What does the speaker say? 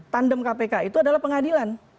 tandem kpk itu adalah pengadilan